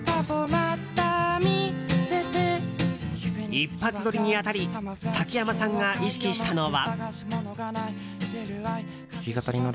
一発撮りに当たり崎山さんが意識したのは。